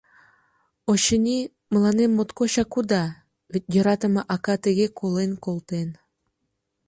Очыни, мыланем моткочак уда, вет йӧратыме ака тыге колен колтен...»